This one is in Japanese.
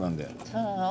そうなの？